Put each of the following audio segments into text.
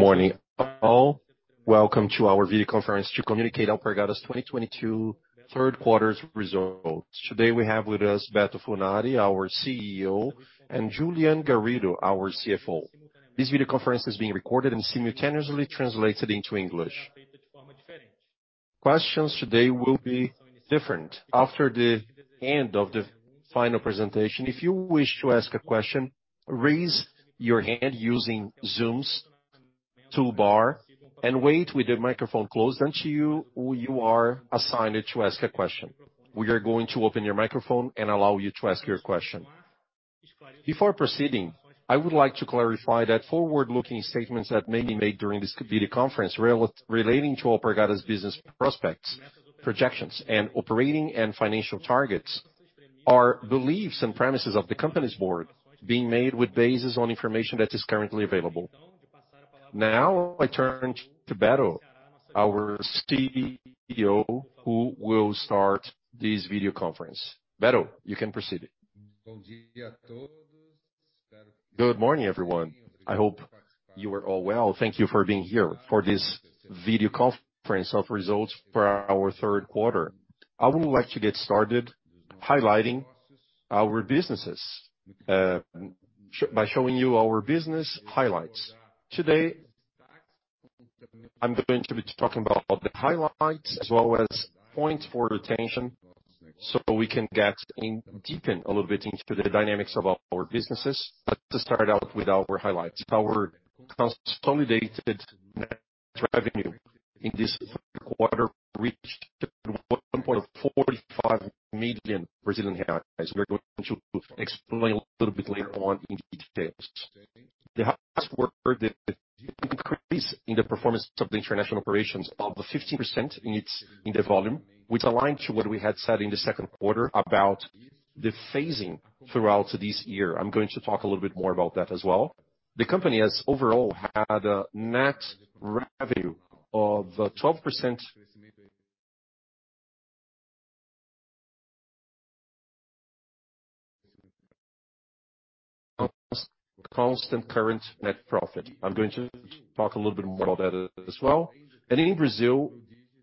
Good morning, all. Welcome to our video conference to communicate Alpargatas's 2022 third quarter's results. Today, we have with us Beto Funari, our CEO, and Julián Garrido, our CFO. This video conference is being recorded and simultaneously translated into English. Questions today will be different. After the end of the final presentation, if you wish to ask a question, raise your hand using Zoom's toolbar and wait with the microphone closed until you are assigned to ask a question. We are going to open your microphone and allow you to ask your question. Before proceeding, I would like to clarify that forward-looking statements that may be made during this video conference relating to Alpargatas' business prospects, projections, and operating and financial targets are beliefs and premises of the company's board being made with basis on information that is currently available. Now, I turn to Beto, our CEO, who will start this video conference. Beto, you can proceed. Good morning, everyone. I hope you are all well. Thank you for being here for this video conference of results for our third quarter. I would like to get started highlighting our businesses by showing you our business highlights. Today, I'm going to be talking about the highlights as well as points for retention so we can get in depth a little bit into the dynamics of our businesses. Let's start out with our highlights. Our consolidated net revenue in this third quarter reached 1.45 million. We're going to explain a little bit later on in detail. There was an increase in the performance of the international operations of 15% in the volume, which aligned to what we had said in the second quarter about the phasing throughout this year. I'm going to talk a little bit more about that as well. The company has overall had a net revenue of 12%. Constant currency net profit. I'm going to talk a little bit more about that as well. In Brazil,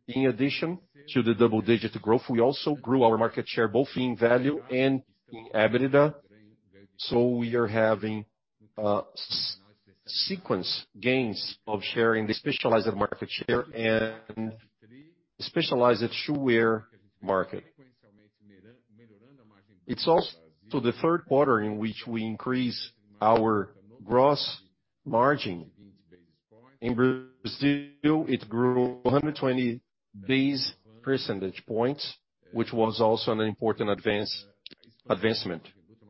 in addition to the double-digit growth, we also grew our market share both in value and in EBITDA. We are having sequential gains in share in the specialized footwear market. It's also the third quarter in which we increase our gross margin. In Brazil, it grew 120 basis points, which was also an important advancement.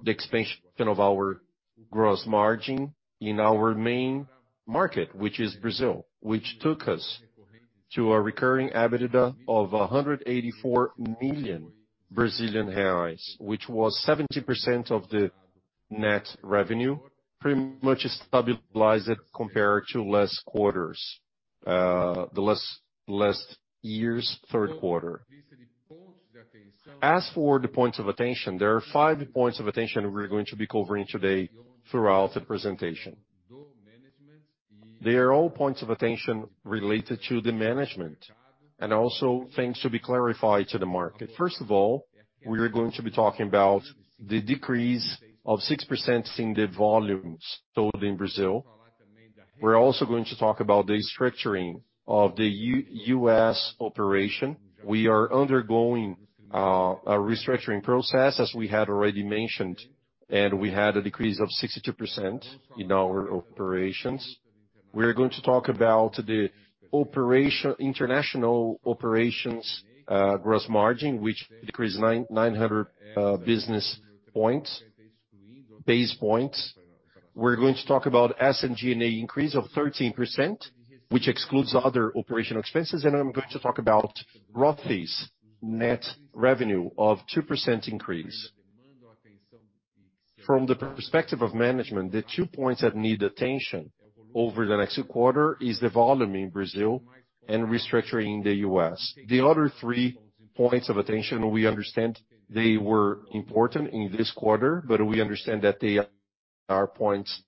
The expansion of our gross margin in our main market, which is Brazil, which took us to a recurring EBITDA of 184 million Brazilian reais, which was 70% of the net revenue, pretty much stabilized compared to last quarters, the last year's third quarter. As for the points of attention, there are five points of attention we're going to be covering today throughout the presentation. They are all points of attention related to the management and also things to be clarified to the market. First of all, we are going to be talking about the decrease of 6% in the volumes sold in Brazil. We're also going to talk about the structuring of the US operation. We are undergoing a restructuring process, as we had already mentioned, and we had a decrease of 62% in our operations. We are going to talk about international operations, gross margin, which decreased 900 basis points. We're going to talk about SG&A increase of 13%, which excludes other operational expenses. I'm going to talk about Rothy's net revenue of 2% increase. From the perspective of management, the two points that need attention over the next quarter is the volume in Brazil and restructuring the U.S. The other three points of attention, we understand they were important in this quarter, but we understand that they are points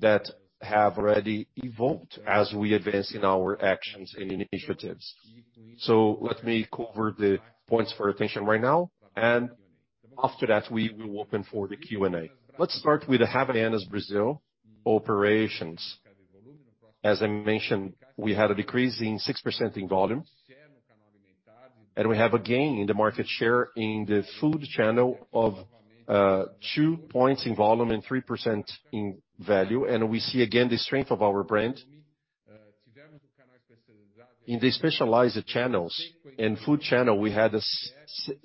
that have already evolved as we advance in our actions and initiatives. Let me cover the points for attention right now, and after that, we will open for the Q&A. Let's start with the Havaianas Brazil operations. As I mentioned, we had a decrease in 6% in volume, and we have a gain in the market share in the food channel of, two points in volume and 3% in value. We see again the strength of our brand. In the specialized channels and food channel, we had a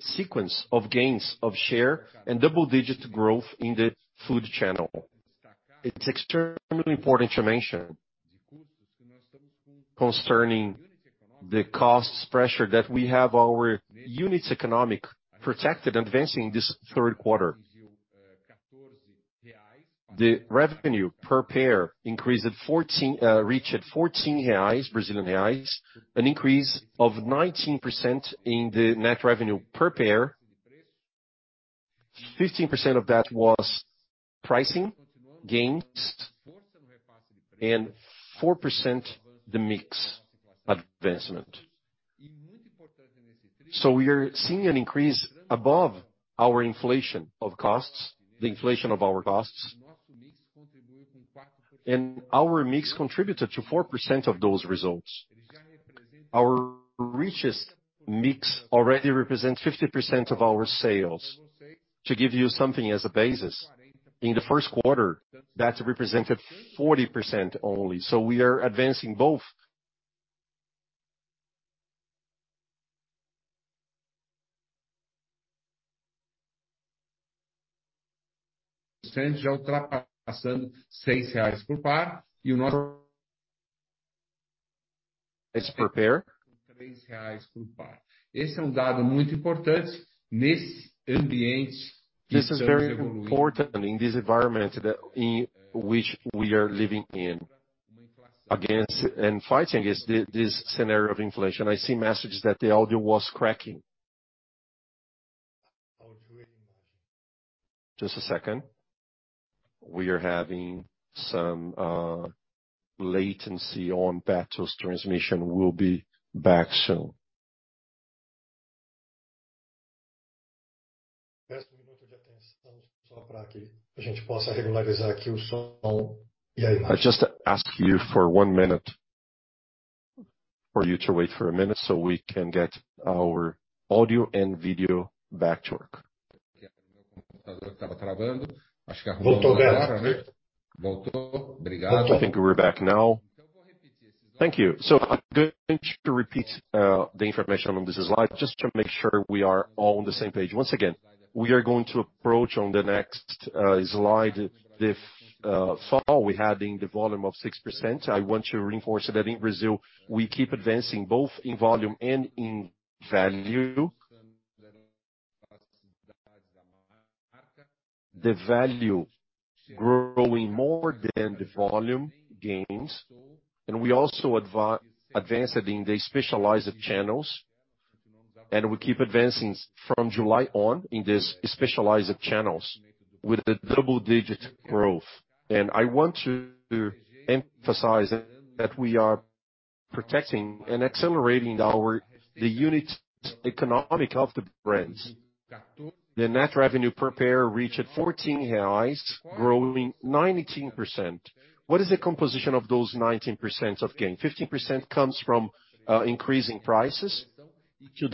sequence of gains of share and double-digit growth in the food channel. It's extremely important to mention concerning the costs pressure that we have our unit economics protected, advancing this third quarter. The revenue per pair reached 14 reais, an increase of 19% in the net revenue per pair. 15% of that was pricing gains and 4% the mix advancement. We are seeing an increase above the inflation of our costs. Our mix contributed to 4% of those results. Our richest mix already represents 50% of our sales. To give you something as a basis, in the first quarter, that represented 40% only. We are advancing both. It's prepared. This is very important in this environment that in which we are living in against and fighting against this scenario of inflation. I see messages that the audio was cracking. Just a second. We are having some latency on Beto's transmission. We'll be back soon. I just ask you for one minute. For you to wait for a minute so we can get our audio and video back to work. I think we're back now. Thank you. I'm going to repeat the information on this slide just to make sure we are all on the same page. Once again, we are going to approach, on the next slide, the fall we had in the volume of 6%. I want to reinforce that in Brazil, we keep advancing both in volume and in value. The value growing more than the volume gains, and we also advancing in the specialized channels. We keep advancing from July on in these specialized channels with a double-digit growth. I want to emphasize that we are protecting and accelerating our unit economics of the brands. The net revenue per pair reached 14 reais, growing 19%. What is the composition of those 19% of gain? 15% comes from increasing prices into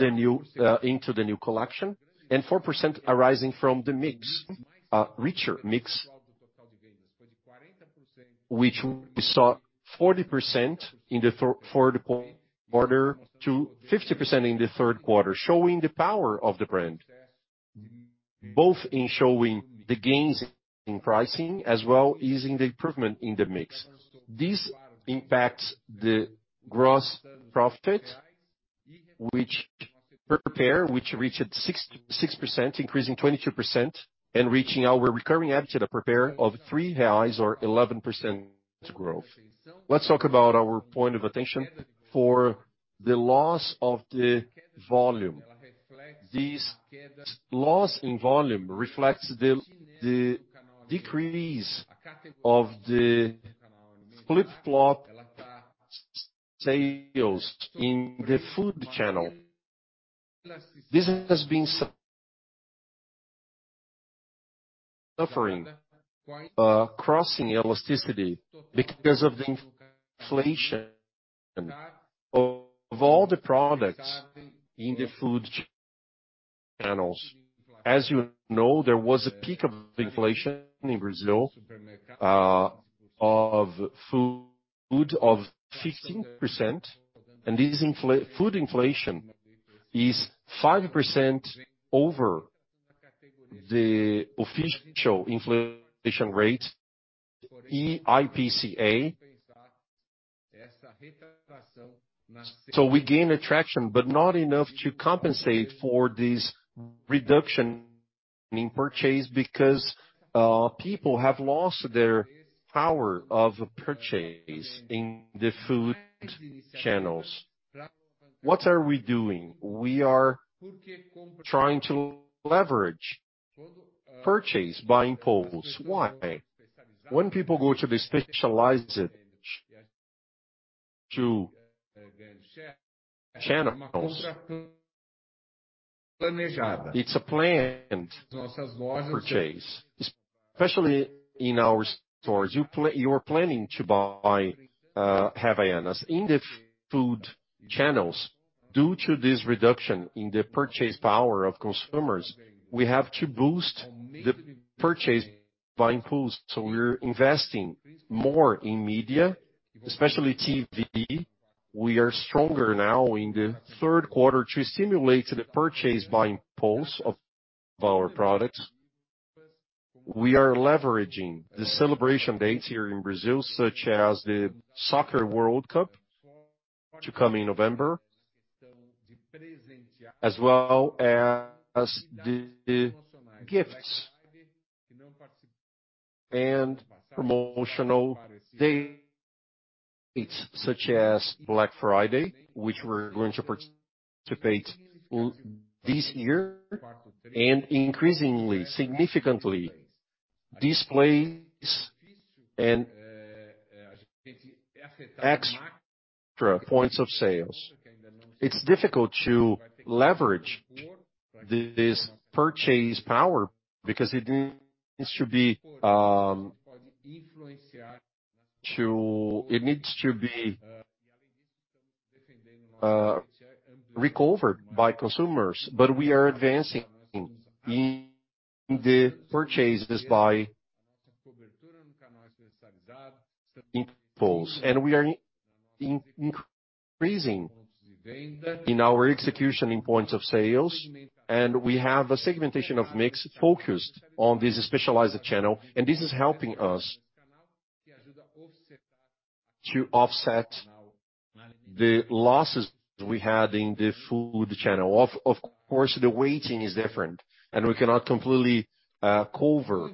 the new collection, and 4% arising from the mix, richer mix, which we saw 40% in the fourth quarter to 50% in the third quarter, showing the power of the brand, both in showing the gains in pricing as well as in the improvement in the mix. This impacts the gross profit per pair, which reached 6%, increasing 22% and reaching our recurring EBITDA per pair of 3 reais or 11% growth. Let's talk about our point of attention for the loss of the volume. This loss in volume reflects the decrease of the flip-flops sales in the food channel. This has been suffering cross elasticity because of the inflation of all the products in the food channels. As you know, there was a peak of food inflation in Brazil of 16%, and this food inflation is 5% over the official inflation rate, IPCA. We gain traction, but not enough to compensate for this reduction in purchasing power because people have lost their purchasing power in the food channels. What are we doing? We are trying to leverage impulse buying. Why? When people go to the specialized channels, it's a planned purchase, especially in our stores. You're planning to buy Havaianas. In the food channels, due to this reduction in the purchasing power of consumers, we have to boost the impulse buying, so we're investing more in media, especially TV. We are stronger now in the third quarter to stimulate the impulse buying of our products. We are leveraging the celebration dates here in Brazil, such as the Soccer World Cup to come in November, as well as the gifts and promotional days such as Black Friday, which we're going to participate this year and increasingly, significant displays and extra points of sale. It's difficult to leverage this purchasing power because it needs to be recovered by consumers, but we are advancing in impulse purchases. We are increasing in our execution in points of sale, and we have a segmentation of mix focused on this specialized channel, and this is helping us to offset the losses we had in the food channel. Of course, the weighting is different and we cannot completely cover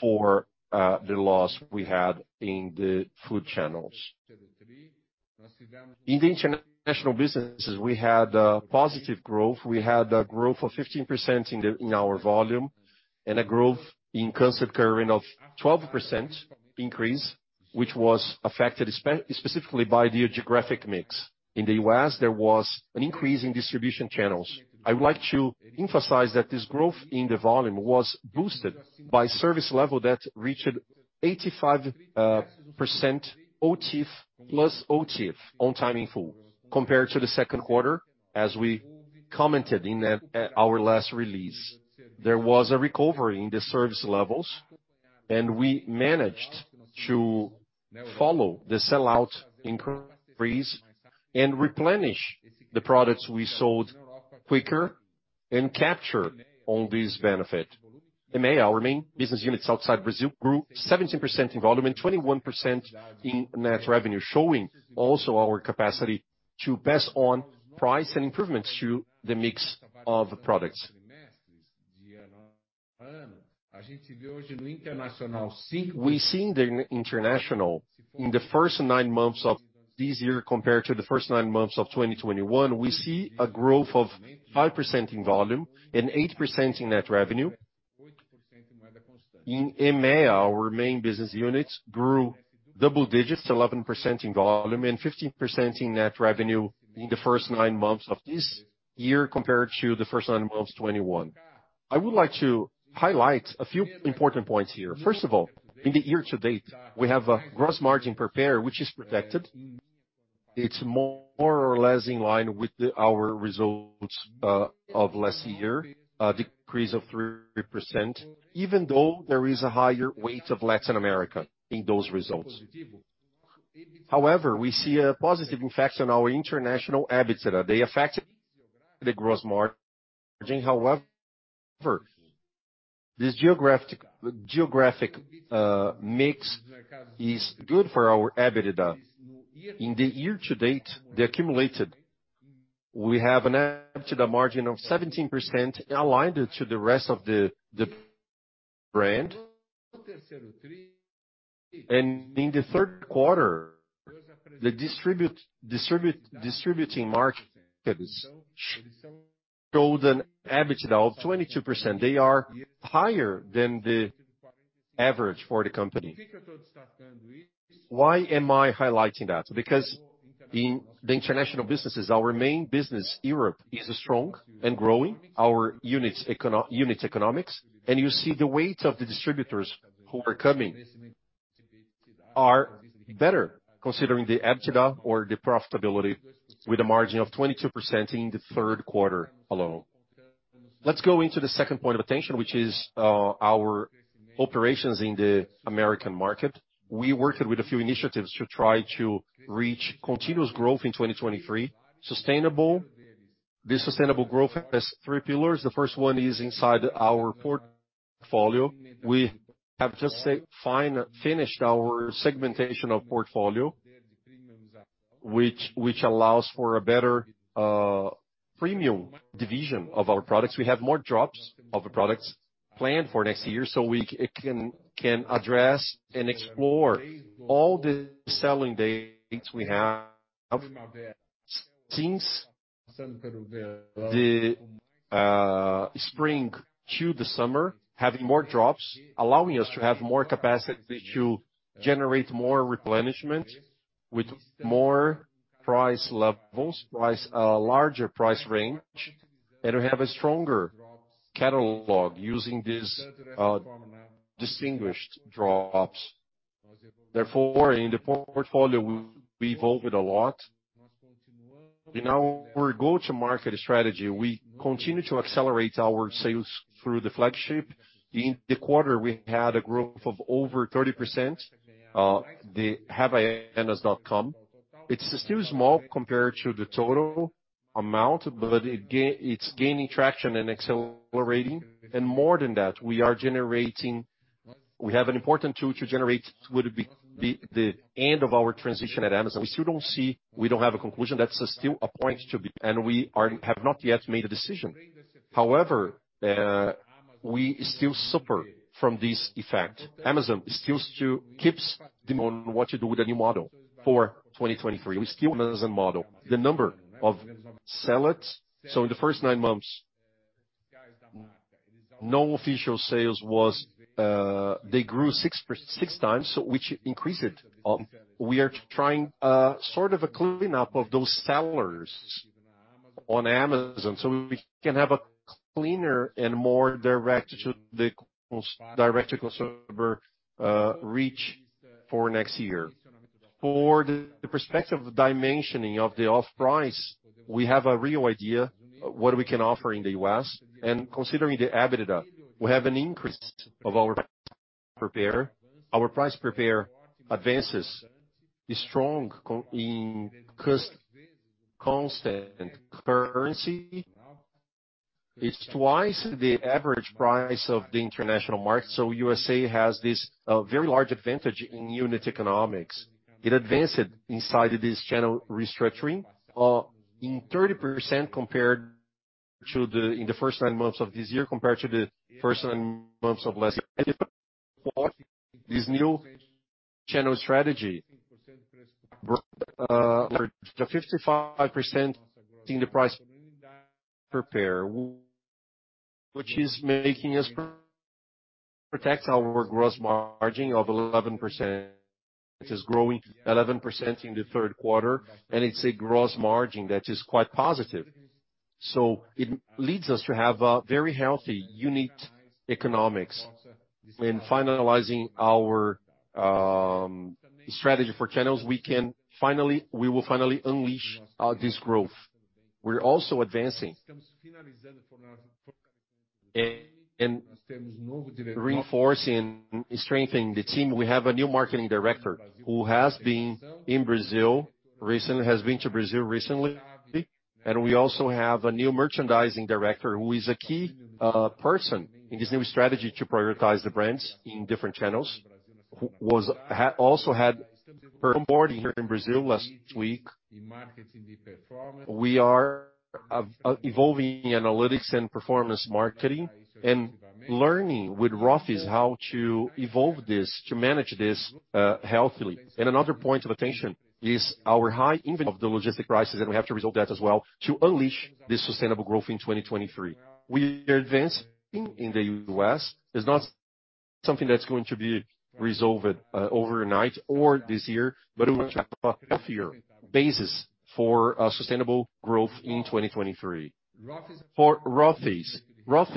for the loss we had in the food channels. In the international businesses, we had positive growth. We had a growth of 15% in our volume and a growth in constant currency of 12% increase, which was affected specifically by the geographic mix. In the U.S., there was an increase in distribution channels. I would like to emphasize that this growth in the volume was boosted by service level that reached 85% OTIF, plus OTIF on time in full compared to the second quarter as we commented in our last release. There was a recovery in the service levels, and we managed to follow the sell-out increase and replenish the products we sold quicker and capture on this benefit. In May, our main business units outside Brazil grew 17% in volume and 21% in net revenue, showing also our capacity to pass on price and improvements to the mix of products. We've seen the international in the first nine months of this year compared to the first nine months of 2021. We see a growth of 5% in volume and 8% in net revenue. In EMEA, our main business units grew double digits, 11% in volume and 15% in net revenue in the first nine months of this year compared to the first nine months of 2021. I would like to highlight a few important points here. First of all, in the year to date, we have a gross margin per pair, which is protected. It's more or less in line with our results of last year, a decrease of 3%, even though there is a higher weight of Latin America in those results. However, we see a positive effect on our international EBITDA. They affect the gross margin. However, this geographic mix is good for our EBITDA. In the year to date, we have an EBITDA margin of 17% aligned to the rest of the brand. In the third quarter, the distributing markets showed an EBITDA of 22%. They are higher than the average for the company. Why am I highlighting that? Because in the international businesses, our main business, Europe, is strong and growing our unit economics, and you see the weight of the distributors who are coming are better considering the EBITDA or the profitability with a margin of 22% in the third quarter alone. Let's go into the second point of attention, which is our operations in the American market. We worked with a few initiatives to try to reach continuous growth in 2023. Sustainable. The sustainable growth has three pillars. The first one is inside our portfolio. We have just finished our segmentation of portfolio, which allows for a better premium division of our products. We have more drops of the products planned for next year, so we can address and explore all the selling dates we have. Since the spring to the summer, having more drops, allowing us to have more capacity to generate more replenishment with more price levels, larger price range, and we have a stronger catalog using this distinguished drops. Therefore, in the portfolio, we evolved a lot. In our go-to-market strategy, we continue to accelerate our sales through the flagship. In the quarter, we had a growth of over 30% the Havaianas.com. It's still small compared to the total amount, but it's gaining traction and accelerating. More than that, we have an important tool to generate with the end of our transition at Amazon. We don't have a conclusion. That's still a point to be, and we have not yet made a decision. However, we still suffer from this effect. Amazon still keeps demanding what to do with the new model for 2023. Rothy's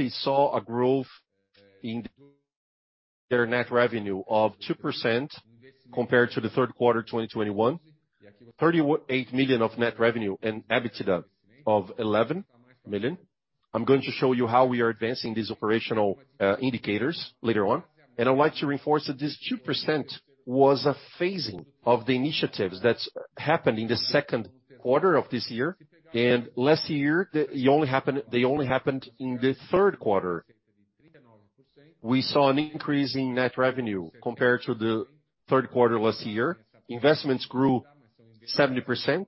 saw a growth in their net revenue of 2% compared to the third quarter 2021. $38 million of net revenue and EBITDA of $11 million. I'm going to show you how we are advancing these operational indicators later on. I'd like to reinforce that this 2% was a phasing of the initiatives that's happened in the second quarter of this year. Last year, they only happened in the third quarter. We saw an increase in net revenue compared to the third quarter last year. Investments grew 70%,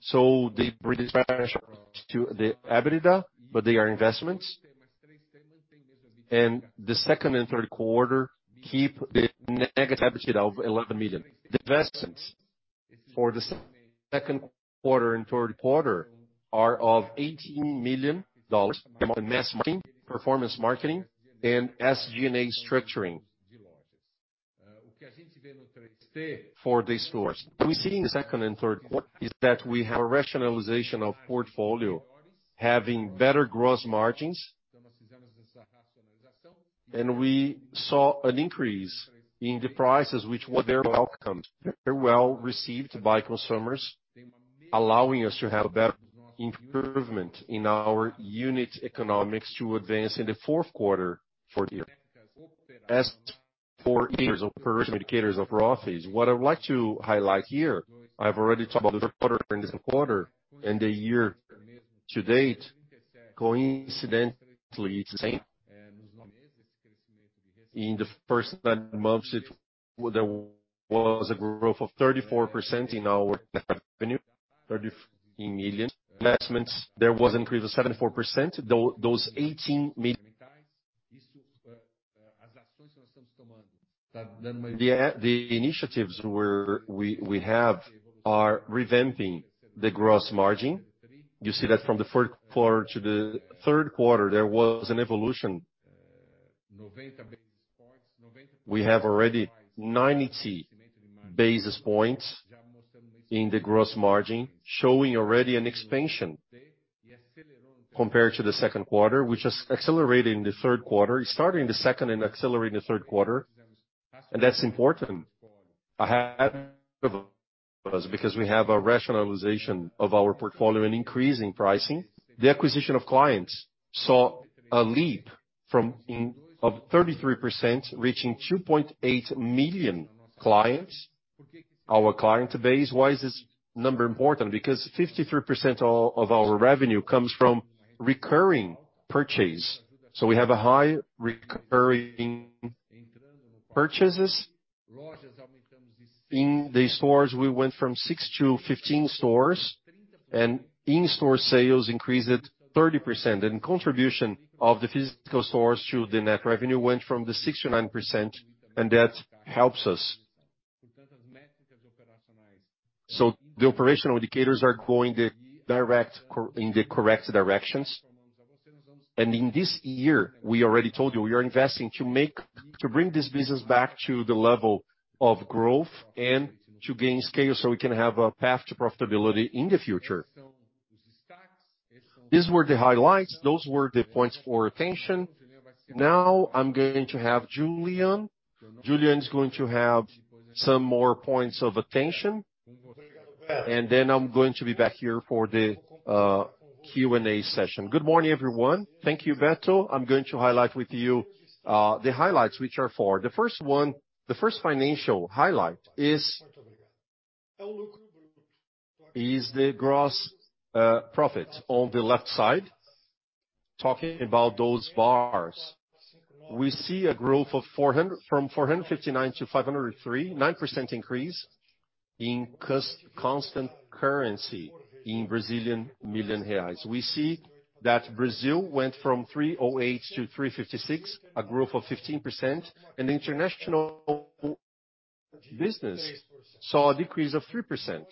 so they. As for the year's principal indicators of Rothy's, what I would like to highlight here, I've already talked about the third quarter and this quarter and the year to date. Coincidentally, it's the same. In the first 9 months, there was a growth of 34% in our revenue, $34 million investments. There was an increase of 74%. The initiatives we have are revamping the gross margin. You see that from the fourth quarter to the third quarter, there was an evolution. We have already 90 basis points in the gross margin, showing already an expansion compared to the second quarter, which is accelerating the third quarter. It started in the second and accelerated the third quarter, and that's important. Ahead of us, because we have a rationalization of our portfolio and increase in pricing. The acquisition of clients saw a leap of 33%, reaching 2.8 million clients. Our client base, why is this number important? Because 53% of our revenue comes from recurring purchase. We have a high recurring purchases. In the stores, we went from 6 to 15 stores, and in-store sales increased 30%. Contribution of the physical stores to the net revenue went from 6% to 9%, and that helps us. The operational indicators are going in the correct directions. In this year, we already told you we are investing to bring this business back to the level of growth and to gain scale so we can have a path to profitability in the future. These were the highlights. Those were the points for attention. Now I'm going to have Julián. Julián is going to have some more points of attention. I'm going to be back here for the Q&A session. Good morning, everyone. Thank you, Beto. I'm going to highlight with you the highlights which are four. The first one, the first financial highlight is the gross profit. On the left side, talking about those bars, we see a growth from 459 million to 503 million, 9% increase in constant currency in million reais. We see that Brazil went from 308-356, a growth of 15%, and the international business saw a decrease of 3%.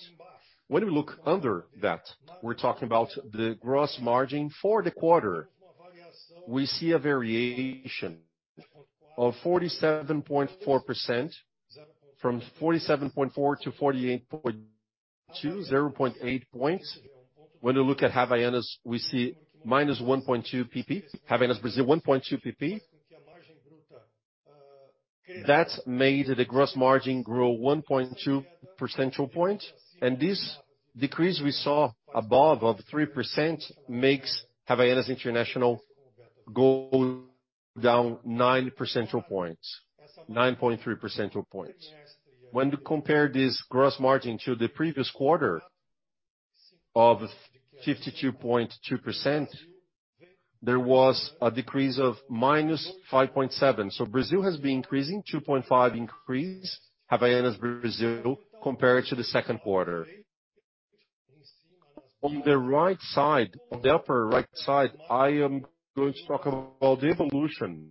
When we look under that, we're talking about the gross margin for the quarter. We see a variation of 47.4% from 47.4% to 48.2%, 0.8 points. When we look at Havaianas, we see minus 1.2 PP. Havaianas Brazil, 1.2 PP. That made the gross margin grow 1.2 percentage points. This decrease we saw above of 3% makes Havaianas International go down nine percentage points, 9.3 percentage points. When you compare this gross margin to the previous quarter of 52.2%, there was a decrease of minus 5.7. Brazil has been increasing, 2.5% increase Havaianas Brazil compared to the second quarter. On the right side, on the upper right side, I am going to talk about the evolution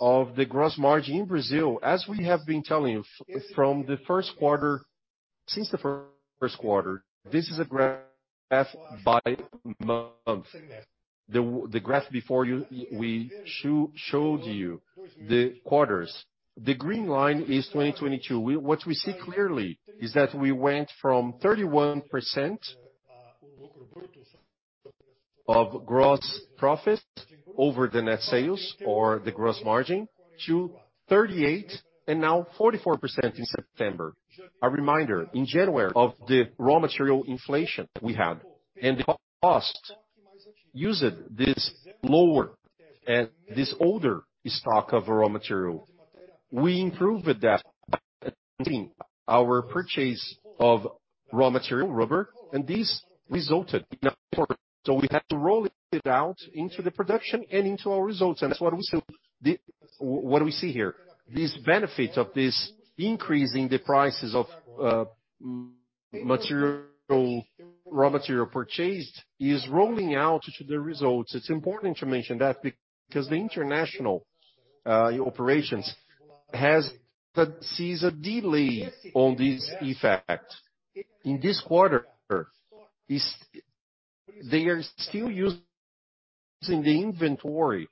of the gross margin in Brazil. As we have been telling you from the first quarter, this is a graph by month. The graph before you, we showed you the quarters. The green line is 2022. What we see clearly is that we went from 31% of gross profits over the net sales or the gross margin to 38% and now 44% in September. A reminder, in January of the raw material inflation we had and the costs used this lower and this older stock of raw material. We improved that by increasing our purchase of raw material, rubber, and this resulted in a quarter. We had to roll it out into the production and into our results. That's what we see. What do we see here? This benefit of this increase in the prices of material, raw material purchased is rolling out to the results. It's important to mention that because the international operations sees a delay on this effect. In this quarter, they are still using the inventory,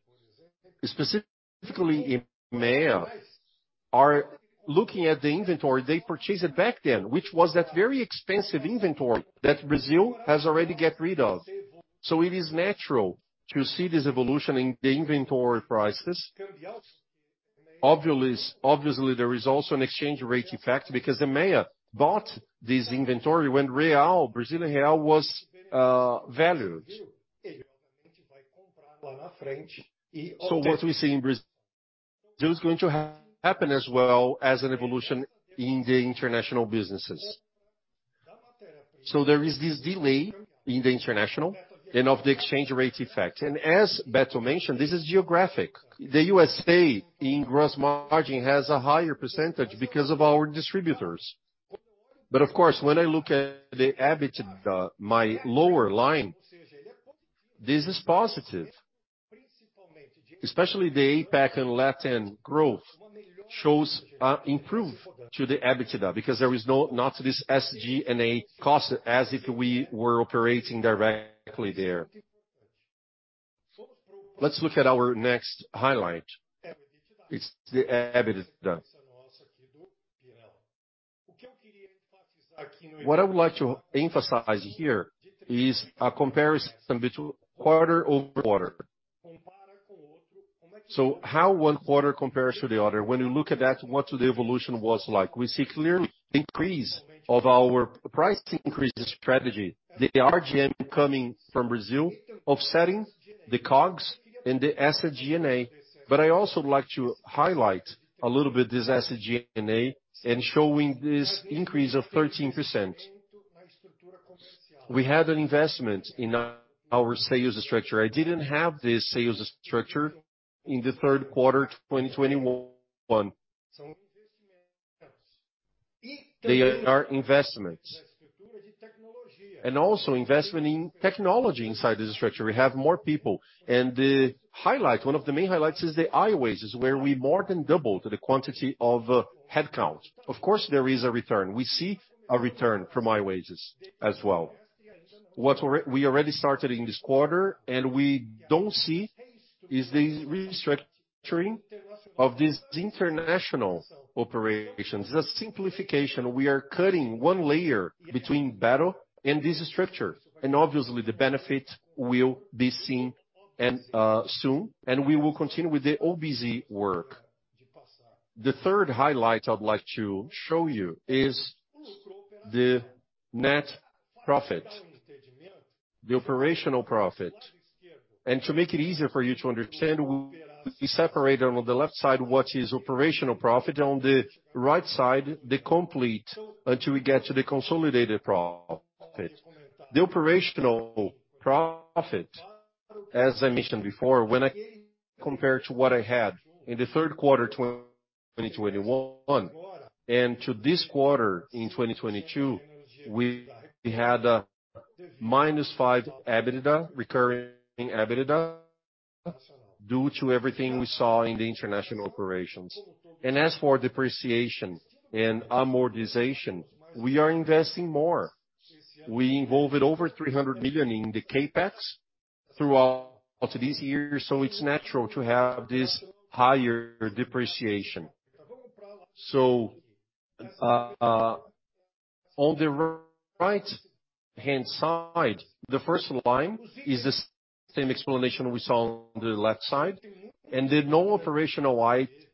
specifically in EMEA, are looking at the inventory they purchased back then, which was that very expensive inventory that Brazil has already got rid of. It is natural to see this evolution in the inventory prices. Obviously, there is also an exchange rate effect because the EMEA bought this inventory when real, Brazilian real was valued. What we see in Brazil is going to happen as well as an evolution in the international businesses. There is this delay in the international and of the exchange rate effect. As Beto mentioned, this is geographic. The USA in gross margin has a higher percentage because of our distributors. Of course, when I look at the EBITDA, my lower line, this is positive. Especially the APAC and LATAM growth shows improvement to the EBITDA because there is not this SG&A cost as if we were operating directly there. Let's look at our next highlight. It's the EBITDA. What I would like to emphasize here is a comparison between quarter-over-quarter. How one quarter compares to the other. When you look at that, what the evolution was like. We see clearly increase of our price increase strategy, the RGM coming from Brazil, offsetting the COGS and the SG&A. I also like to highlight a little bit this SG&A and showing this increase of 13%. We had an investment in our sales structure. I didn't have this sales structure in the third quarter 2021. They are our investments and also investment in technology inside the structure. We have more people. One of the main highlights is the IOAs, where we more than doubled the quantity of headcount. Of course, there is a return. We see a return from IOAs as well. We already started in this quarter, and we don't see is the restructuring of these international operations. The simplification, we are cutting one layer between Beto and this structure, and obviously the benefit will be seen and soon, and we will continue with the OBZ work. The third highlight I'd like to show you is the net profit, the operational profit. To make it easier for you to understand, we separated on the left side what is operational profit, on the right side, the complete until we get to the consolidated profit. The operational profit, as I mentioned before, when I compare to what I had in the third quarter 2021 and to this quarter in 2022, we had a -5 EBITDA, recurring EBITDA due to everything we saw in the international operations. As for depreciation and amortization, we are investing more. We invested over 300 million in the CapEx throughout this year, so it's natural to have this higher depreciation. On the right-hand side, the first line is the same explanation we saw on the left side, and the non-operational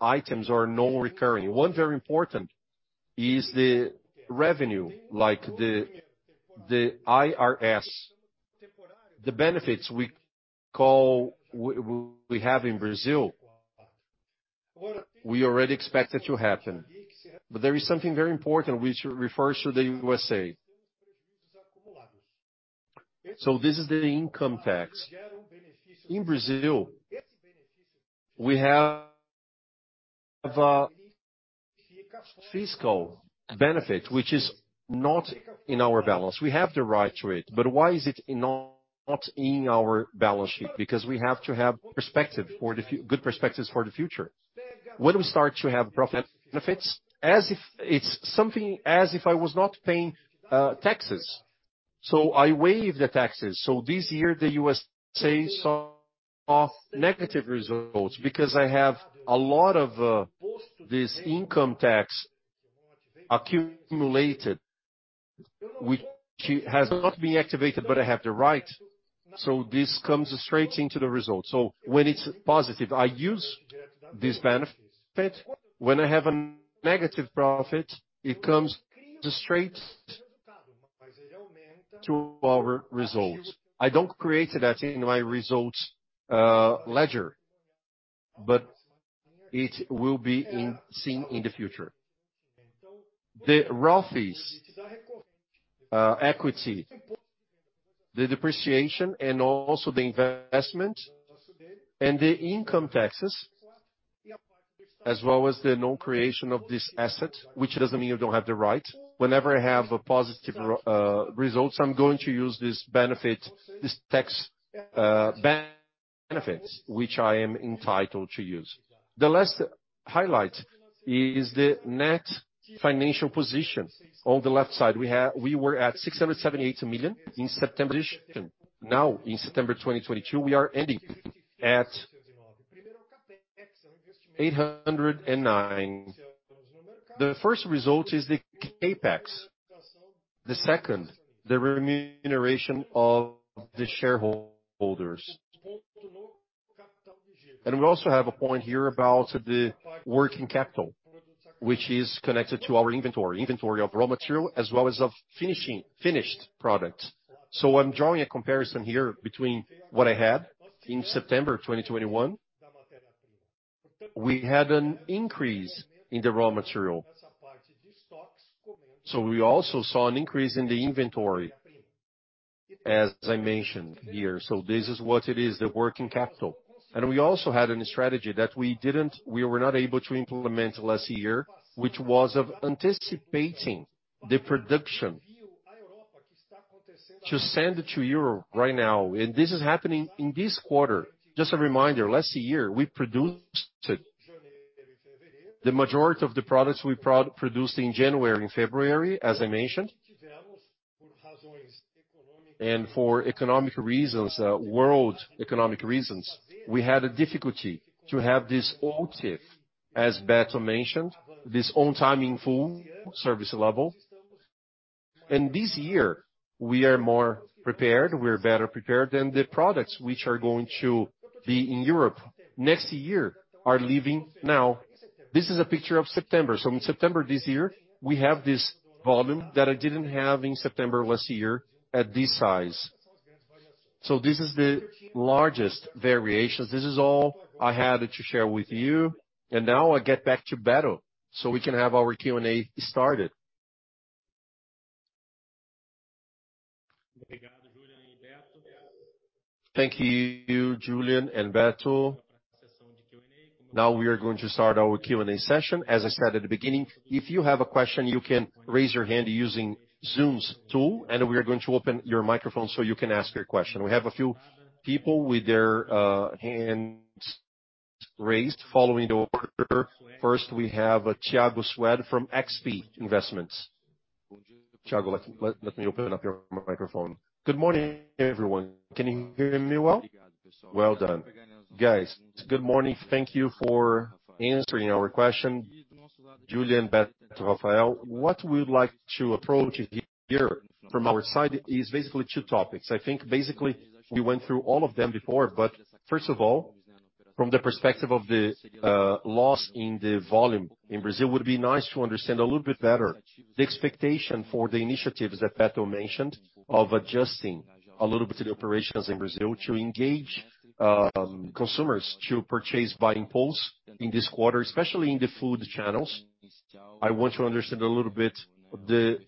items or non-recurring. One very important is the revenue, like the IR, the benefits we have in Brazil. We already expect it to happen. There is something very important which refers to the U.S. This is the income tax. In Brazil, we have a fiscal benefit which is not in our balance. We have the right to it, but why is it not in our balance sheet? Because we have to have perspective for good perspectives for the future. When we start to have profit benefits as if it's something as if I was not paying taxes. I waive the taxes. This year, the U.S. shows some negative results because I have a lot of this income tax accumulated which has not been activated, but I have the right. This comes straight into the results. When it's positive, I use this benefit. When I have a negative profit, it comes straight to our results. I don't create that in my results ledger, but it will be seen in the future. The raw fees, equity, the depreciation, and also the investment and the income taxes, as well as the non-creation of this asset, which doesn't mean you don't have the right. Whenever I have a positive results, I'm going to use this benefit, this tax benefits which I am entitled to use. The last highlight is the net financial position. On the left side, we were at 678 million in September. Now, in September 2022, we are ending at 809 million. The first result is the CapEx. The second, the remuneration of the shareholders. We also have a point here about the working capital, which is connected to our inventory. Inventory of raw material as well as of finished products. I'm drawing a comparison here between what I had in September 2021. We had an increase in the raw material. We also saw an increase in the inventory, as I mentioned here. This is what it is, the working capital. We also had a strategy that we were not able to implement last year, which was of anticipating the production to send it to Europe right now. This is happening in this quarter. Just a reminder, last year, we produced the majority of the products we produced in January and February, as I mentioned. For economic reasons, world economic reasons, we had a difficulty to have this OTIF, as Beto mentioned, this on-time in-full service level. This year, we are more prepared, we're better prepared. The products which are going to be in Europe next year are leaving now. This is a picture of September. In September this year, we have this volume that I didn't have in September last year at this size. This is the largest variations. This is all I had to share with you, and now I get back to Beto so we can have our Q&A started. Thank you, Julián and Beto. Now we are going to start our Q&A session. As I said at the beginning, if you have a question, you can raise your hand using Zoom's tool, and we are going to open your microphone so you can ask your question. We have a few people with their hands raised. Following the order, first, we have Thiago Suedt from XP Investments. Thiago, let me open up your microphone. Good morning, everyone. Can you hear me well? Well done. Guys, good morning. Thank you for answering our question. Julián, Beto, Rafael, what we'd like to approach here from our side is basically two topics. I think basically we went through all of them before, but first of all, from the perspective of the loss in the volume in Brazil, it would be nice to understand a little bit better the expectation for the initiatives that Beto mentioned of adjusting a little bit of the operations in Brazil to engage consumers to purchase buying power in this quarter, especially in the food channels. I want to understand a little bit the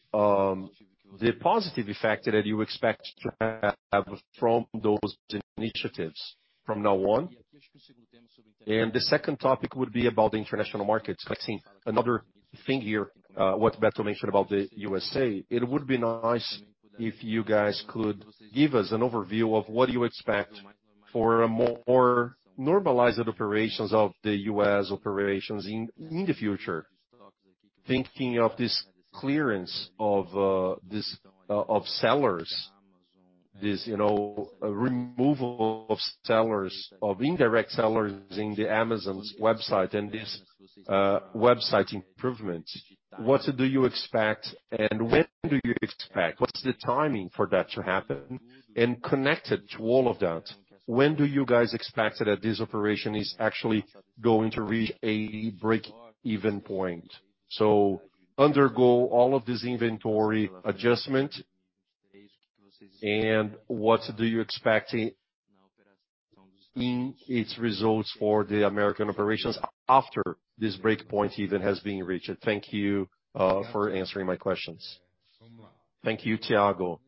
positive effect that you expect to have from those initiatives from now on. The second topic would be about the international markets. I think another thing here, what Beto mentioned about the U.S., it would be nice if you guys could give us an overview of what you expect for a more normalized operations of the U.S. operations in the future. Thinking of this clearance of sellers, this you know removal of sellers of indirect sellers in Amazon's website and this website improvements. What do you expect and when do you expect? What's the timing for that to happen? Connected to all of that, when do you guys expect that this operation is actually going to reach a break-even point? Undergo all of this inventory adjustment and what do you expect in its results for the American operations after this break-even point has been reached? Thank you for answering my questions. Thank you, Thiago.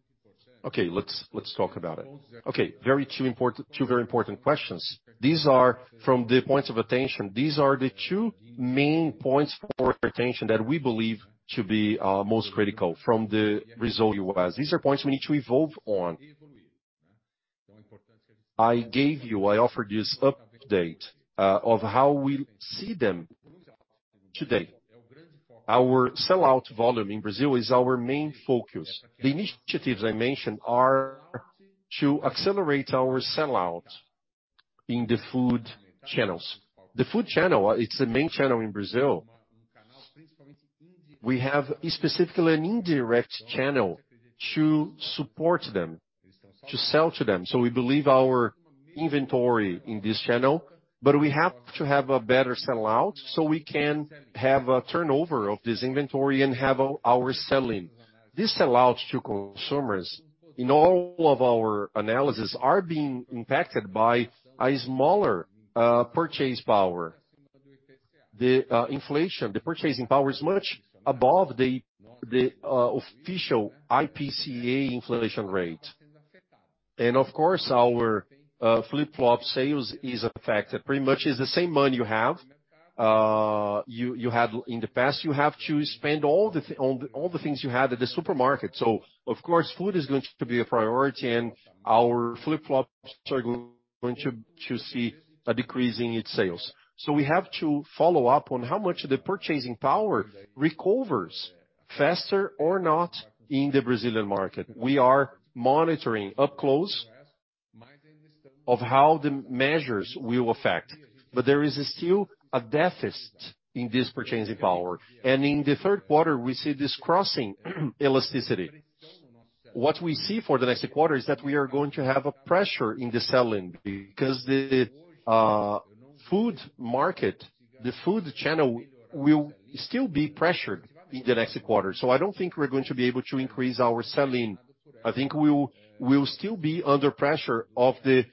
Okay. Let's talk about it. Okay. Two very important questions. These are from the points of attention. These are the two main points for attention that we believe to be most critical from the U.S. results. These are points we need to evolve on. I offered this update of how we see them today. Our sell-out volume in Brazil is our main focus. The initiatives I mentioned are to accelerate our sell-out in the food channels. The food channel, it's the main channel in Brazil. We have specifically an indirect channel to support them, to sell to them. We believe our inventory in this channel, but we have to have a better sell-out so we can have a turnover of this inventory and have our selling. This sell-out to consumers in all of our analysis are being impacted by a smaller purchasing power. The inflation, the purchasing power is much above the official IPCA inflation rate. Of course, our flip-flop sales is affected. Pretty much it's the same money you have, you had in the past, you have to spend all that on all the things you have at the supermarket. Of course, food is going to be a priority and our flip-flops are going to see a decrease in its sales. We have to follow up on how much the purchasing power recovers faster or not in the Brazilian market. We are monitoring closely how the measures will affect. There is still a deficit in this purchasing power. In the third quarter, we see this cross elasticity. What we see for the next quarter is that we are going to have a pressure in the selling because the food market, the food channel will still be pressured in the next quarter. I don't think we're going to be able to increase our selling. I think we'll still be under pressure of the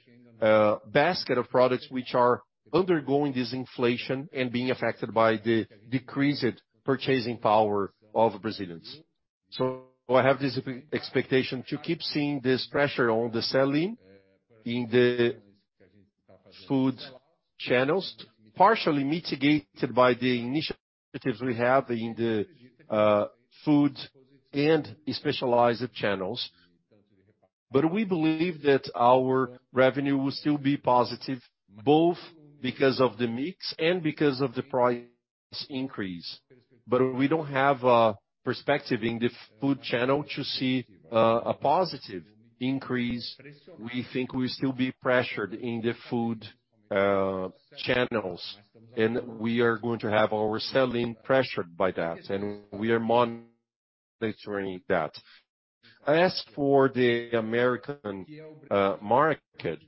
basket of products which are undergoing this inflation and being affected by the decreased purchasing power of Brazilians. I have this expectation to keep seeing this pressure on the selling in the food channels, partially mitigated by the initiatives we have in the food and specialized channels. We believe that our revenue will still be positive, both because of the mix and because of the price increase. We don't have a perspective in the food channel to see a positive increase. We think we'll still be pressured in the food channels, and we are going to have our selling pressured by that, and we are monitoring that. As for the American market,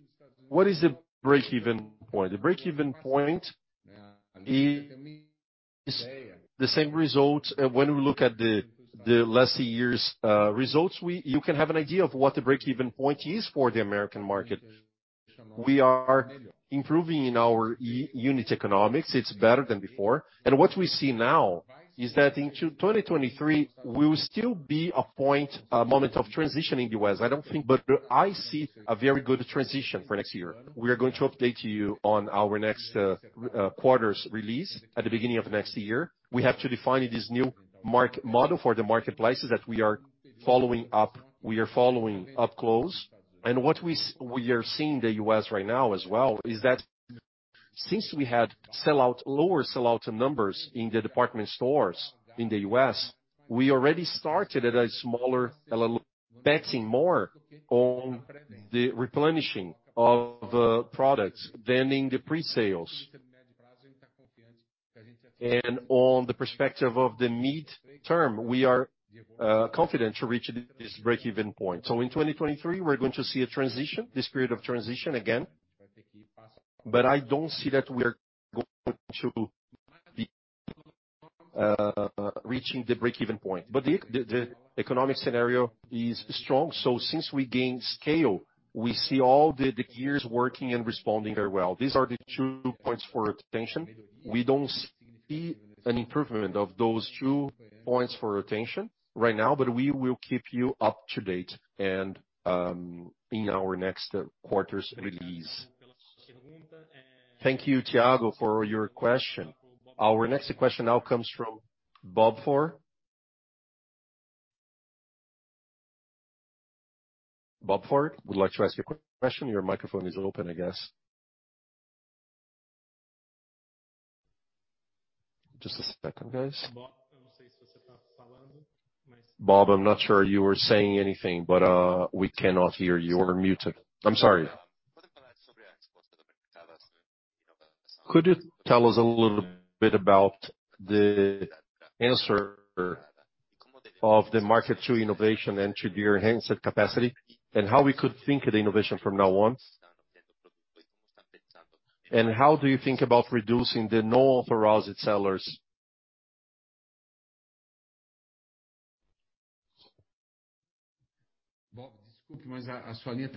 what is the break-even point? The break-even point. It is the same results when we look at the last year's results. You can have an idea of what the break-even point is for the American market. We are improving in our unit economics. It's better than before. What we see now is that in 2023, we will still be a point, a moment of transition in the U.S. I don't think, but I see a very good transition for next year. We are going to update you on our next quarter's release at the beginning of next year. We have to define this new model for the marketplaces that we are following up close. What we are seeing in the U.S. right now as well is that since we had lower sell-out numbers in the department stores in the U.S., we already started at a smaller, betting more on the replenishing of products than in the pre-sales. From the perspective of the mid-term, we are confident to reach this break-even point. In 2023, we're going to see a transition, this period of transition again. I don't see that we are going to be reaching the break-even point. The economic scenario is strong, so since we gained scale, we see all the gears working and responding very well. These are the two points for retention. We don't see an improvement of those two points for retention right now, but we will keep you up to date and in our next quarter's release. Thank you, Thiago, for your question. Our next question now comes from Bob Ford. Bob Ford, would you like to ask your question? Your microphone is open, I guess. Just a second, guys. Bob, I'm not sure you were saying anything, but we cannot hear you. You're muted. I'm sorry. Could you tell us a little bit about the answer of the market to innovation and to your enhanced capacity, and how we could think of the innovation from now on? How do you think about reducing the unauthorized sellers?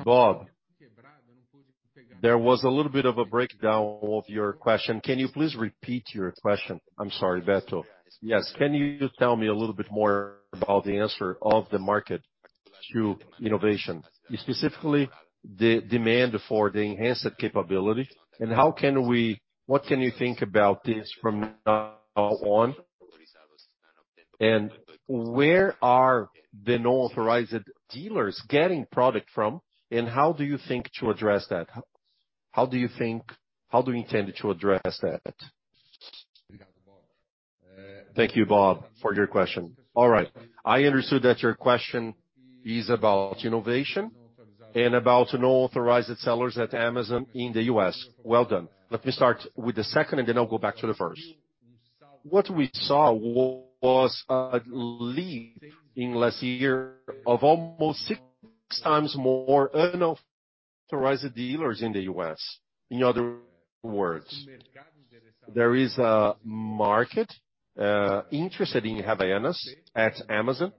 Bob, there was a little bit of a breakdown of your question. Can you please repeat your question? I'm sorry, Beto. Yes. Can you tell me a little bit more about the answer of the market to innovation, specifically the demand for the enhanced capability, and what can you think about this from now on? And where are the non-authorized dealers getting product from, and how do you think to address that? How do we intend to address that? Thank you, Bob, for your question. All right. I understood that your question is about innovation and about unauthorized sellers at Amazon in the U.S. Well done. Let me start with the second, and then I'll go back to the first. What we saw was a leap in last year of almost six times more unauthorized dealers in the U.S. In other words, there is a market interested in Havaianas at Amazon.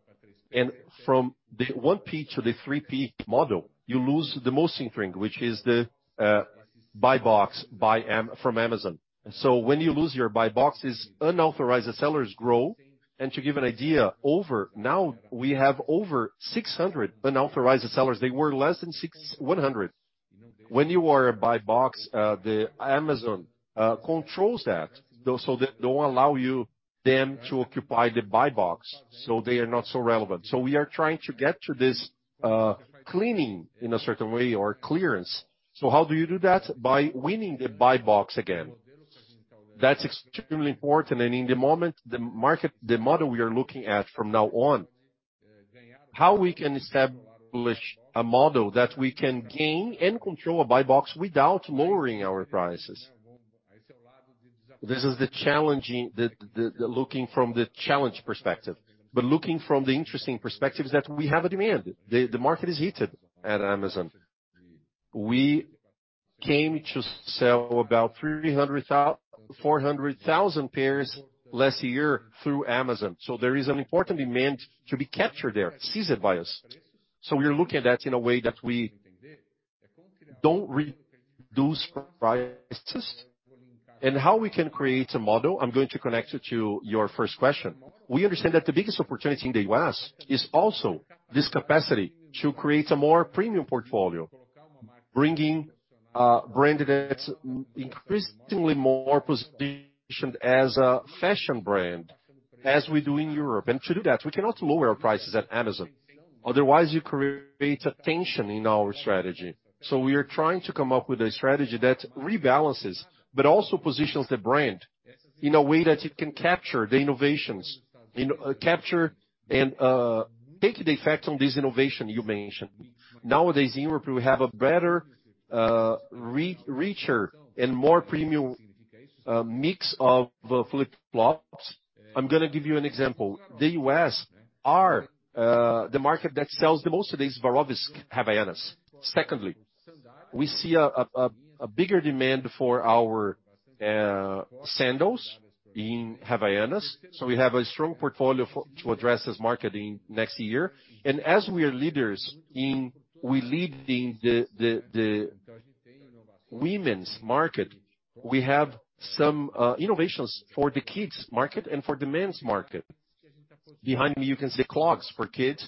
From the one peak to the three-peak model, you lose the most important thing, which is the Buy Box from Amazon. When you lose your Buy Boxes, unauthorized sellers grow. To give an idea, now we have over 600 unauthorized sellers. They were less than 100. When you are a Buy Box, Amazon controls that. They don't allow them to occupy the Buy Box, so they are not so relevant. We are trying to get to this cleaning in a certain way or clearance. How do you do that? By winning the Buy Box again. That's extremely important. At the moment, the market, the model we are looking at from now on, how we can establish a model that we can gain and control a Buy Box without lowering our prices. This is the challenging looking from the challenge perspective. Looking from the interesting perspective is that we have a demand. The market is heated at Amazon. We came to sell about 300,000-400,000 pairs last year through Amazon. There is an important demand to be captured there, seized by us. We are looking at that in a way that we don't reduce prices. How we can create a model, I'm going to connect it to your first question. We understand that the biggest opportunity in the U.S. is also this capacity to create a more premium portfolio, bringing a brand that's increasingly more positioned as a fashion brand, as we do in Europe. To do that, we cannot lower our prices at Amazon. Otherwise, you create a tension in our strategy. We are trying to come up with a strategy that rebalances but also positions the brand in a way that it can capture the innovations and take the effect on this innovation you mentioned. Nowadays, in Europe, we have a better reach and more premium mix of flip-flops. I'm gonna give you an example. The U.S. are the market that sells the most of these Swarovski Havaianas. Secondly, we see a bigger demand for our sandals in Havaianas. We have a strong portfolio for to address this market in next year. As we are leaders in the women's market, we have some innovations for the kids market and for the men's market. Behind me, you can see clogs for kids.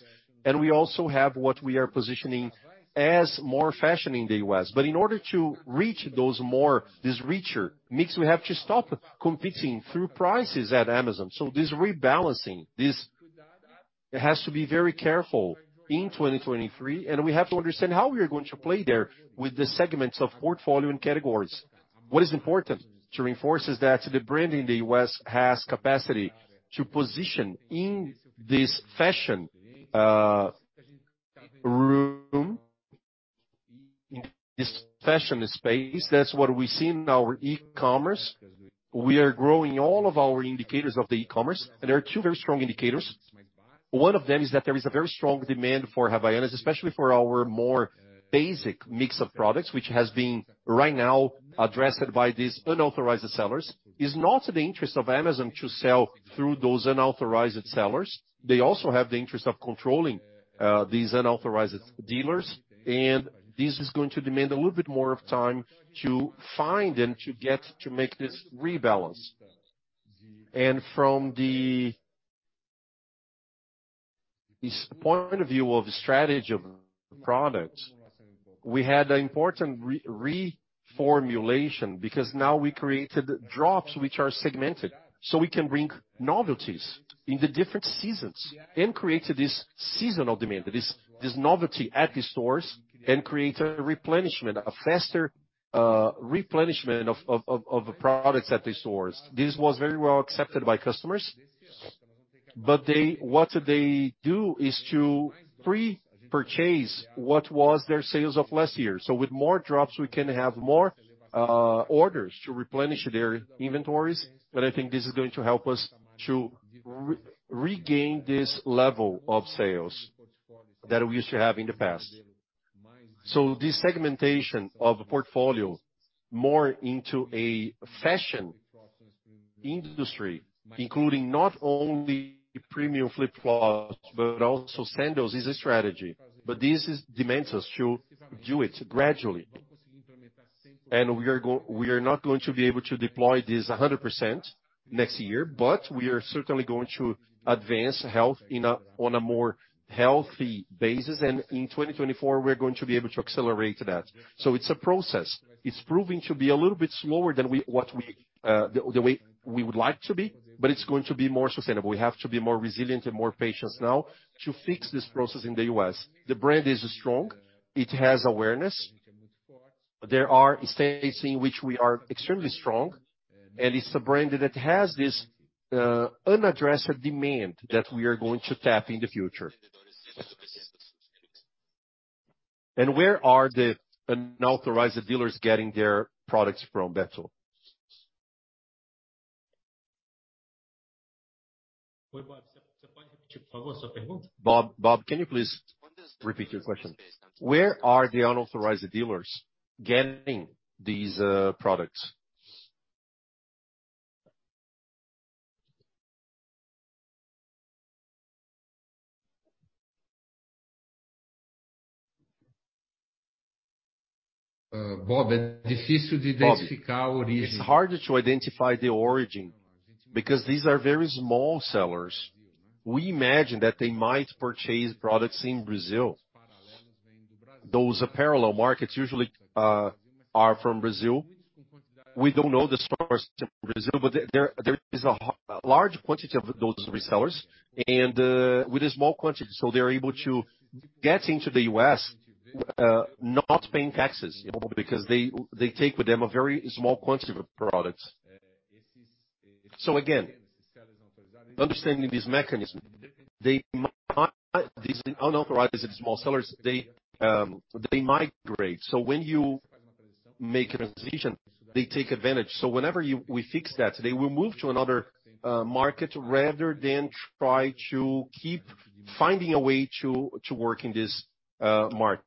We also have what we are positioning as more fashion in the U.S. In order to reach those more, this richer mix, we have to stop competing through prices at Amazon. This rebalancing has to be very careful in 2023, and we have to understand how we are going to play there with the segments of portfolio and categories. What is important to reinforce is that the brand in the U.S. has capacity to position in this fashion room, in this fashion space. That's what we see in our e-commerce. We are growing all of our indicators of the e-commerce, and there are two very strong indicators. One of them is that there is a very strong demand for Havaianas, especially for our more basic mix of products, which has been right now addressed by these unauthorized sellers. It's not in the interest of Amazon to sell through those unauthorized sellers. They also have the interest of controlling, these unauthorized dealers. This is going to demand a little bit more of time to find and to get to make this rebalance. From the point of view of strategy of products, we had an important reformulation because now we created drops which are segmented, so we can bring novelties in the different seasons and create this seasonal demand, this novelty at the stores and create a replenishment, a faster replenishment of products at the stores. This was very well accepted by customers, but they, what they do is to pre-purchase what was their sales of last year. With more drops, we can have more orders to replenish their inventories. I think this is going to help us to regain this level of sales that we used to have in the past. This segmentation of portfolio more into a fashion industry, including not only premium flip-flops, but also sandals, is a strategy. This demands us to do it gradually. We are not going to be able to deploy this 100% next year, but we are certainly going to advance health on a more healthy basis. In 2024, we're going to be able to accelerate that. It's a process. It's proving to be a little bit slower than what we the way we would like to be, but it's going to be more sustainable. We have to be more resilient and more patient now to fix this process in the U.S. The brand is strong. It has awareness. There are states in which we are extremely strong, and it's a brand that has this unaddressed demand that we are going to tap in the future. Where are the unauthorized dealers getting their products from, Beto? Bob, can you please repeat your question? Where are the unauthorized dealers getting these products? Bob, it's hard to identify the origin because these are very small sellers. We imagine that they might purchase products in Brazil. Those parallel markets usually are from Brazil. We don't know the stores in Brazil, but there is a large quantity of those resellers and with a small quantity, so they're able to get into the U.S. not paying taxes, you know, because they take with them a very small quantity of products. Again, understanding this mechanism, these unauthorized small sellers, they migrate. When you make a transition, they take advantage. Whenever we fix that, they will move to another market rather than try to keep finding a way to work in this market.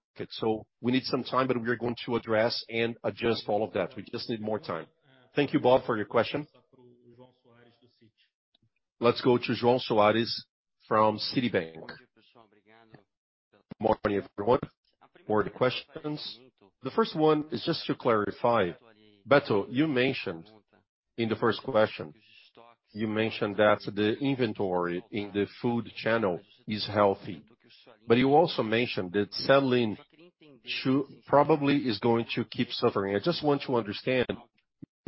We need some time, but we are going to address and adjust all of that. We just need more time. Thank you, Bob, for your question. Let's go to João Soares from Citibank. Morning, everyone. Four questions. The first one is just to clarify. Beto, you mentioned in the first question that the inventory in the food channel is healthy, but you also mentioned that sell-in probably is going to keep suffering. I just want to understand,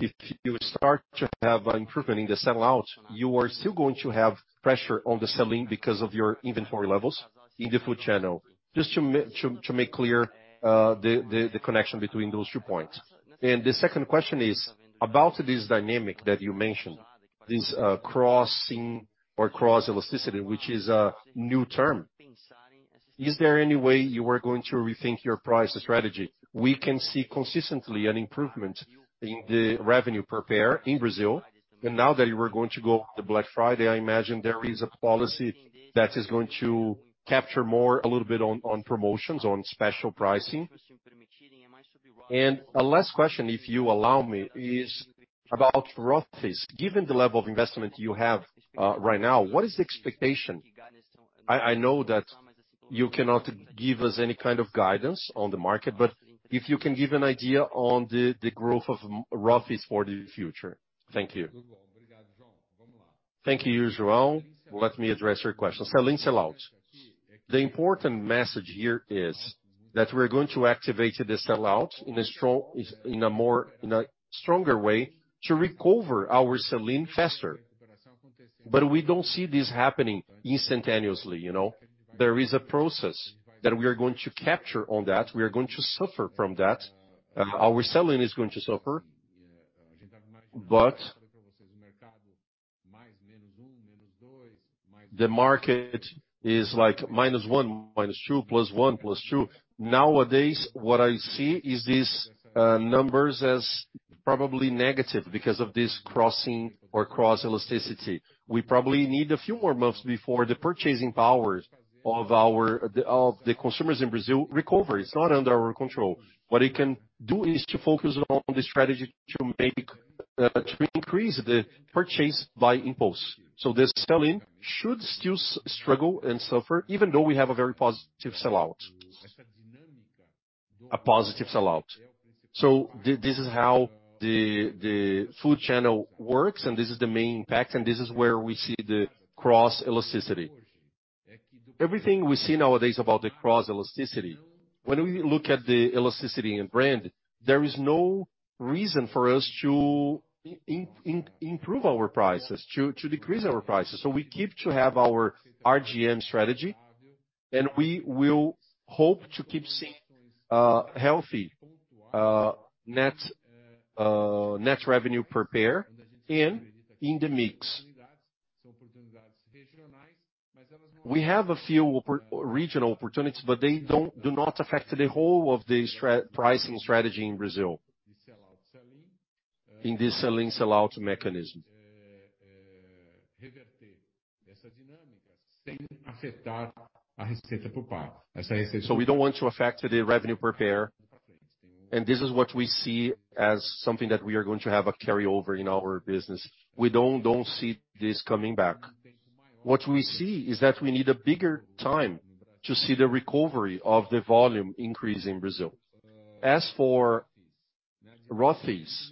if you start to have an improvement in the sellout, you are still going to have pressure on the sell-in because of your inventory levels in the food channel? Just to make clear, the connection between those two points. The second question is about this dynamic that you mentioned, crossing or cross elasticity, which is a new term. Is there any way you are going to rethink your price strategy? We can see consistently an improvement in the revenue per pair in Brazil. Now that you are going to go to Black Friday, I imagine there is a policy that is going to capture more a little bit on promotions, on special pricing. A last question, if you allow me, is about Rothy's. Given the level of investment you have right now, what is the expectation? I know that you cannot give us any kind of guidance on the market, but if you can give an idea on the growth of Rothy's for the future. Thank you. Thank you, João. Let me address your question. Sell-in sellout. The important message here is that we're going to activate the sellout in a stronger way to recover our sell-in faster. We don't see this happening instantaneously, you know? There is a process that we are going to capture on that. We are going to suffer from that. Our selling is going to suffer. The market is like -1%, -2%, +1%, +2%. Nowadays, what I see is these numbers as probably negative because of this crossing or cross-elasticity. We probably need a few more months before the purchasing power of the consumers in Brazil recovers. It's not under our control. What it can do is to focus on the strategy to increase impulse purchase. The sell-in should still struggle and suffer, even though we have a very positive sellout. A positive sellout. This is how the food channel works, and this is the main impact, and this is where we see the cross-elasticity. Everything we see nowadays about the cross-elasticity, when we look at the elasticity in brand, there is no reason for us to improve our prices, to decrease our prices. We keep to have our RGM strategy, and we will hope to keep seeing healthy net revenue per pair in the mix. We have a few regional opportunities, but they do not affect the whole of the pricing strategy in Brazil. In this sell-in sellout mechanism. We don't want to affect the revenue per pair, and this is what we see as something that we are going to have a carryover in our business. We don't see this coming back. What we see is that we need a bigger time to see the recovery of the volume increase in Brazil. As for Rothy's,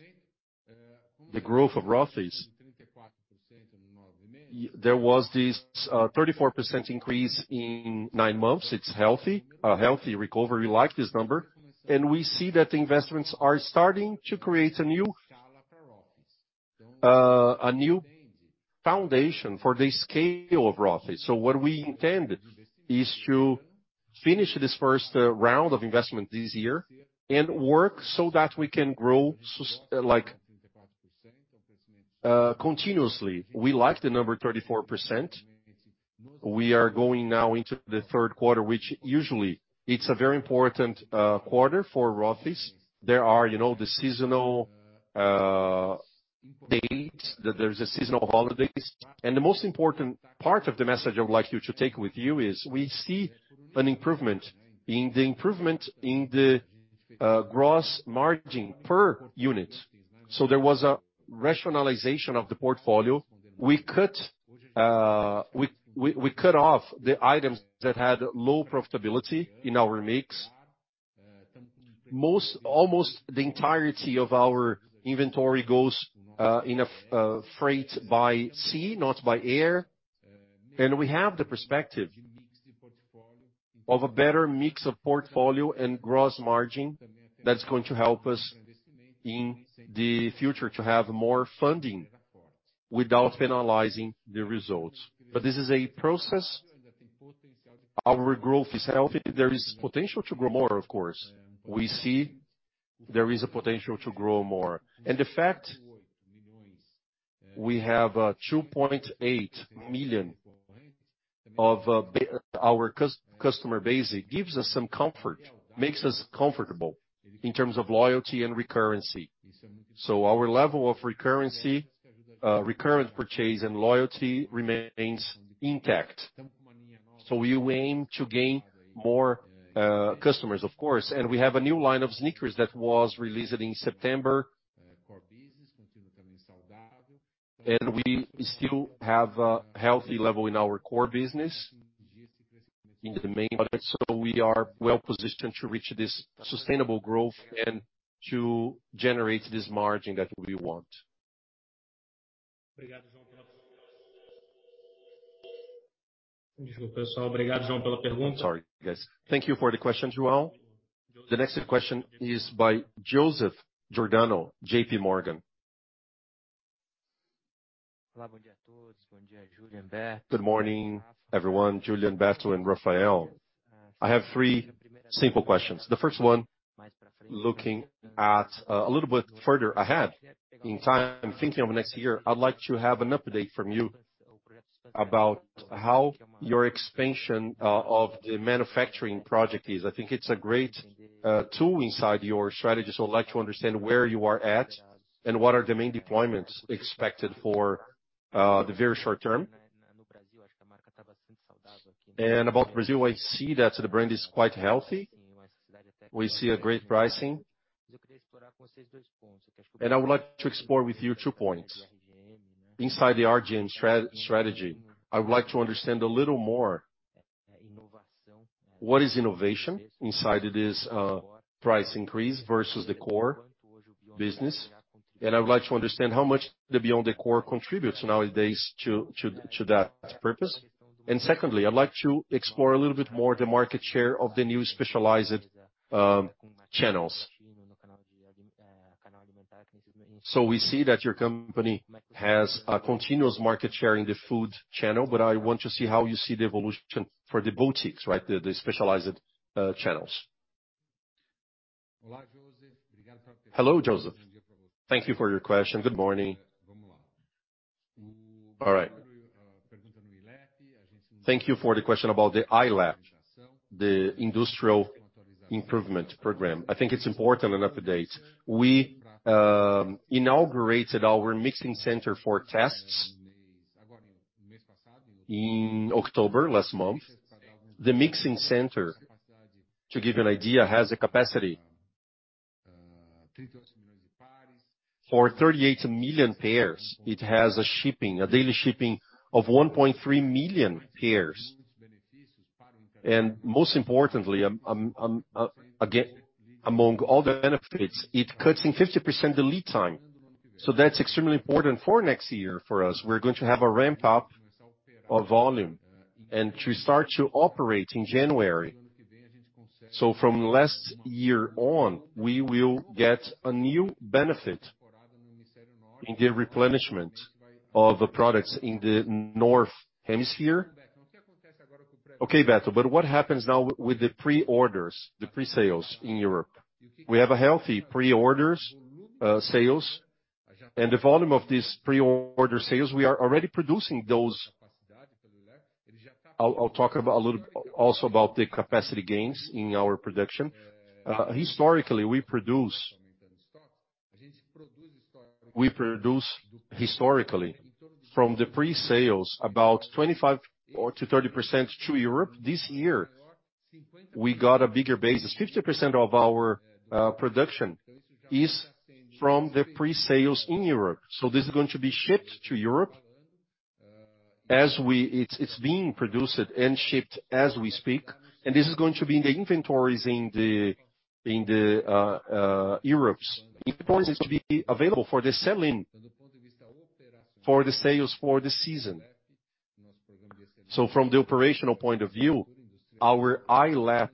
the growth of Rothy's, there was this 34% increase in nine months. It's healthy, a healthy recovery. We like this number. We see that investments are starting to create a new foundation for the scale of Rothy's. What we intend is to finish this first round of investment this year and work so that we can grow like continuously. We like the number 34%. We are going now into the third quarter, which usually it's a very important quarter for Rothy's. There are, you know, the seasonal dates that there's seasonal holidays. The most important part of the message I would like you to take with you is, we see an improvement in the gross margin per unit. There was a rationalization of the portfolio. We cut off the items that had low profitability in our mix. Almost the entirety of our inventory goes in a freight by sea, not by air. We have the perspective of a better mix of portfolio and gross margin that's going to help us in the future to have more funding without penalizing the results. This is a process. Our growth is healthy. There is potential to grow more, of course. We see there is a potential to grow more. The fact we have 2.8 million of our customer base, it gives us some comfort, makes us comfortable in terms of loyalty and recurrency. Our level of recurrency, recurrent purchase and loyalty remains intact. We aim to gain more customers, of course. We have a new line of sneakers that was released in September. We still have a healthy level in our core business in the main market. We are well-positioned to reach this sustainable growth and to generate this margin that we want. I'm sorry, guys. Thank you for the question, João. The next question is by Joseph Giordano, JPMorgan. Good morning, everyone, Julián, Beto, and Rafael. I have three simple questions. The first one, looking at, a little bit further ahead in time, thinking of next year, I'd like to have an update from you about how your expansion, of the manufacturing project is. I think it's a great, tool inside your strategy, so I'd like to understand where you are at and what are the main deployments expected for, the very short term. About Brazil, I see that the brand is quite healthy. We see a great pricing. I would like to explore with you two points. Inside the RGM strategy, I would like to understand a little more what is innovation inside this, price increase versus the core business. I would like to understand how much the beyond the core contributes nowadays to that purpose. Secondly, I'd like to explore a little bit more the market share of the new specialized channels. We see that your company has a continuous market share in the food channel, but I want to see how you see the evolution for the boutiques, right, the specialized channels. Hello, Joseph. Thank you for your question. Good morning. All right. Thank you for the question about the iLab, the industrial improvement program. I think it's important an update. We inaugurated our mixing center for tests in October last month. The mixing center, to give you an idea, has a capacity for 38 million pairs. It has a daily shipping of 1.3 million pairs. Most importantly, again, among all the benefits, it cuts in 50% the lead time. That's extremely important for next year for us. We're going to have a ramp up of volume and to start to operate in January. From last year on, we will get a new benefit in the replenishment of the products in the Northern Hemisphere. Okay, Beto. What happens now with the pre-orders, the pre-sales in Europe? We have healthy pre-order sales. The volume of these pre-order sales, we are already producing those. I'll talk a little also about the capacity gains in our production. Historically, we produce historically from the pre-sales about 25%-30% to Europe. This year, we got a bigger basis. 50% of our production is from the pre-sales in Europe. This is going to be shipped to Europe. It's being produced and shipped as we speak. This is going to be in the inventories in Europe's. Inventories to be available for the selling, for the sales, for the season. From the operational point of view, our iLab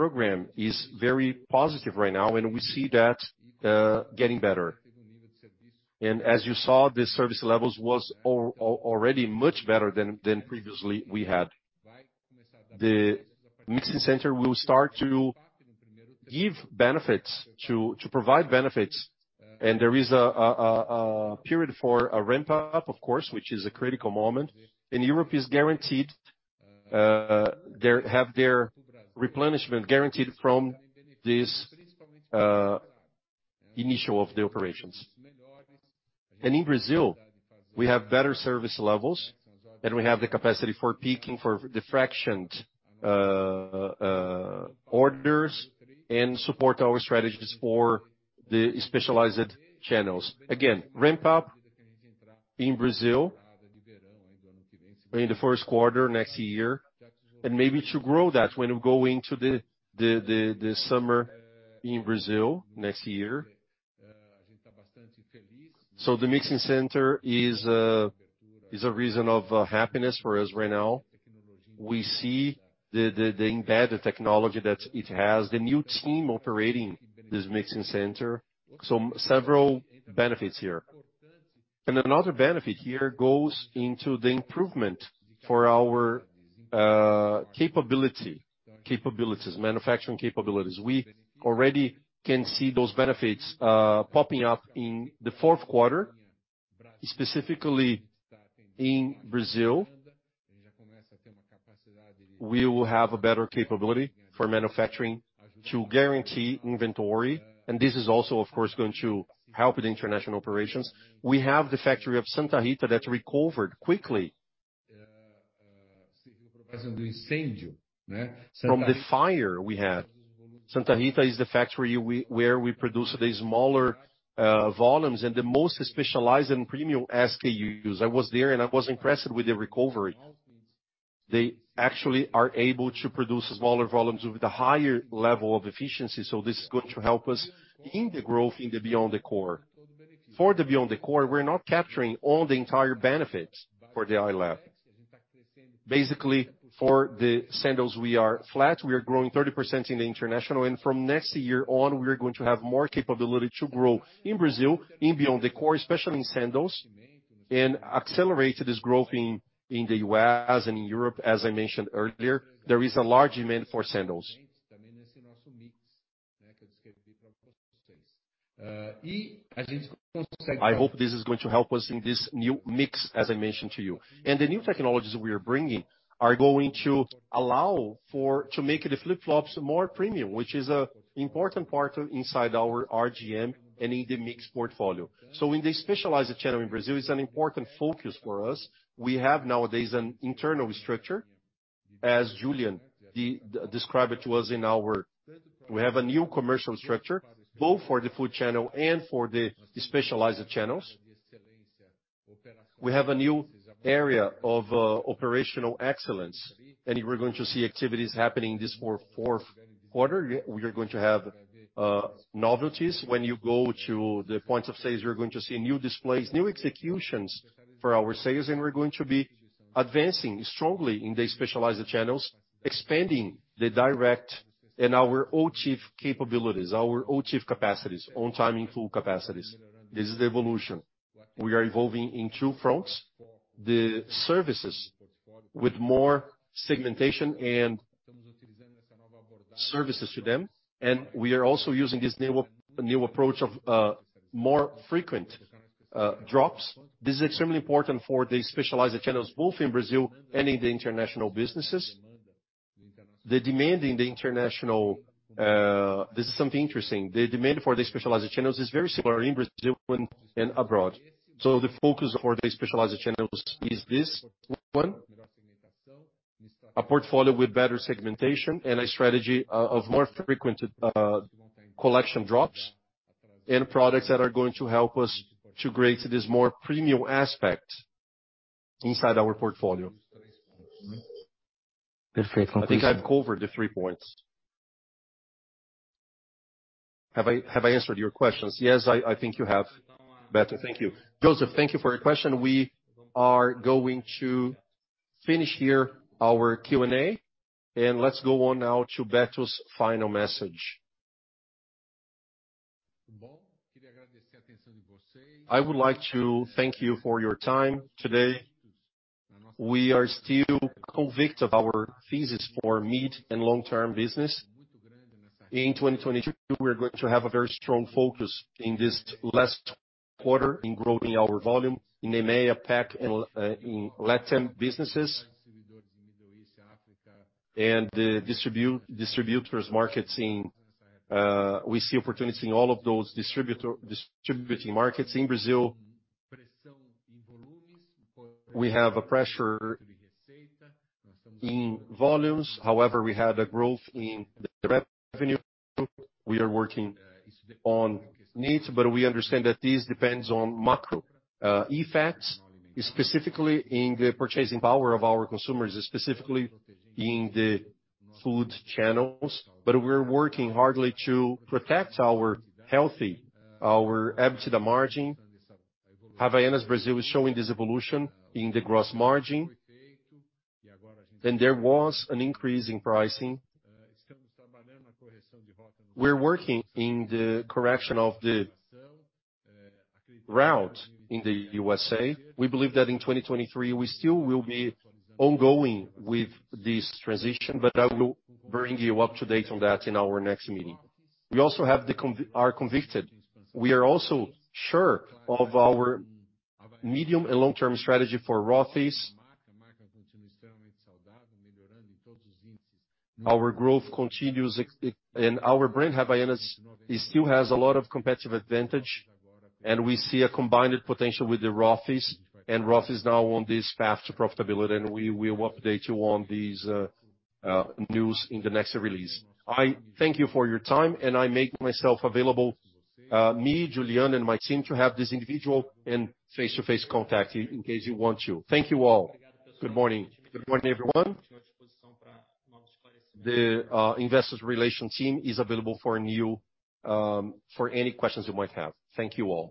program is very positive right now, and we see that getting better. As you saw, the service levels was already much better than previously we had. The mixing center will start to give benefits, to provide benefits. There is a period for a ramp-up, of course, which is a critical moment. Europe is guaranteed they have their replenishment guaranteed from this initial of the operations. In Brazil, we have better service levels, and we have the capacity for peaking, for the fractioned orders and support our strategies for the specialized channels. Ramp up in Brazil in the first quarter next year, and maybe to grow that when we go into the summer in Brazil next year. The mixing center is a reason for happiness for us right now. We see the embedded technology that it has, the new team operating this mixing center. Several benefits here. Another benefit here goes into the improvement for our manufacturing capabilities. We already can see those benefits popping up in the fourth quarter, specifically in Brazil. We will have a better capability for manufacturing to guarantee inventory. This is also, of course, going to help the international operations. We have the factory of Santa Rita that recovered quickly from the fire we had. Santa Rita is the factory where we produce the smaller volumes and the most specialized and premium SKUs. I was there, and I was impressed with the recovery. They actually are able to produce smaller volumes with a higher level of efficiency, so this is going to help us in the growth in the beyond the core. For the beyond the core, we're not capturing all the entire benefits for the iLab. Basically, for the sandals, we are flat. We are growing 30% in the international. From next year on, we are going to have more capability to grow in Brazil, in beyond the core, especially in sandals, and accelerate this growth in the U.S. and in Europe. As I mentioned earlier, there is a large demand for sandals. I hope this is going to help us in this new mix, as I mentioned to you. The new technologies we are bringing are going to allow to make the flip-flops more premium, which is an important part inside our RGM and in the mix portfolio. In the specialized channel in Brazil, it's an important focus for us. We have nowadays an internal structure. As Julián described it to us, we have a new commercial structure, both for the food channel and for the specialized channels. We have a new area of operational excellence. We're going to see activities happening this fourth quarter. We are going to have novelties. When you go to the points of sales, you're going to see new displays, new executions for our sales, and we're going to be advancing strongly in the specialized channels, expanding the direct and our OTIF capabilities, our OTIF capacities, on-time-in-full capacities. This is the evolution. We are evolving in two fronts. The services with more segmentation and services to them. We are also using this new approach of more frequent drops. This is extremely important for the specialized channels, both in Brazil and in the international businesses. The demand in the international this is something interesting. The demand for the specialized channels is very similar in Brazil and abroad. The focus for the specialized channels is this one, a portfolio with better segmentation and a strategy of more frequent, collection drops and products that are going to help us to create this more premium aspect inside our portfolio. The three points. I think I've covered the three points. Have I answered your questions? Yes. I think you have, Beto. Thank you. Joseph, thank you for your question. We are going to finish here our Q&A, and let's go on now to Beto's final message. I would like to thank you for your time today. We are still convinced of our thesis for mid- and long-term business. In 2022, we're going to have a very strong focus in this last quarter in growing our volume in EMEA, PAC, and in LATAM businesses and the distributors markets, we see opportunities in all of those distributing markets in Brazil. We have a pressure in volumes. However, we had a growth in the revenue. We are working on needs, but we understand that this depends on macro effects, specifically in the purchasing power of our consumers, specifically in the food channels. We're working hard to protect our healthy EBITDA margin. Havaianas Brazil is showing this evolution in the gross margin. There was an increase in pricing. We're working in the correction of the route in the USA. We believe that in 2023, we still will be ongoing with this transition, but I will bring you up to date on that in our next meeting. We are convinced. We are also sure of our medium and long-term strategy for Rothy's. Our growth continues. Our brand Havaianas still has a lot of competitive advantage, and we see a combined potential with Rothy's. Rothy's now on this path to profitability, and we will update you on these news in the next release. I thank you for your time, and I make myself available, me, Julián, and my team to have this individual and face-to-face contact in case you want to. Thank you all. Good morning. Good morning, everyone. The investor relations team is available for you, for any questions you might have. Thank you all.